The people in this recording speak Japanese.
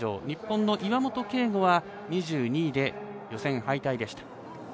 日本の岩本啓吾は２２位で予選敗退でした。